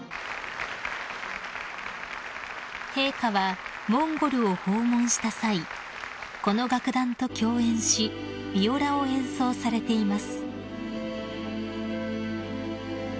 ［陛下はモンゴルを訪問した際この楽団と共演しビオラを演奏されています］